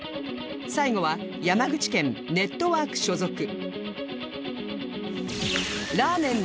最後は山口県ネットワーク所属